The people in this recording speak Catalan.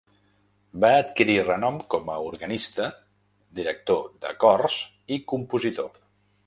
Va adquirir renom com a organista, director de cors i compositor.